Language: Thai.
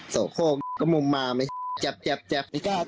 โสโคมุมมามั้ยแจ๊บ